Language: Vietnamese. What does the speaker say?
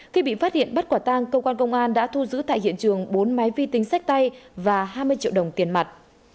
khi bị phát hiện bắt quả tang cơ quan công an đã thu giữ tại hiện trường bốn máy vi tính sách tay và hai mươi triệu đồng tiền mặt